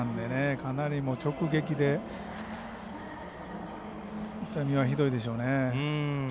かなり、直撃で痛みはひどいでしょうね。